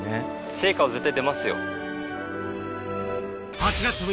成果は絶対出ますよ。